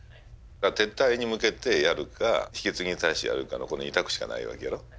撤退に向けてやるか引き継ぎに対してやるかのこの２択しかないわけやろ？